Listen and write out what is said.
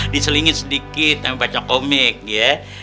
diselingit sedikit tapi baca komik ya